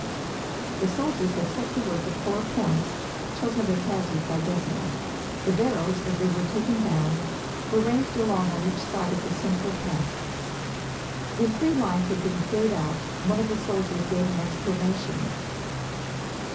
The soldiers had set to work at four points, chosen at hazard by Desmond. The barrels, as they were taken down, were ranged along on each side of the central path. When three lines had been cleared out, one of the soldiers gave an exclamation.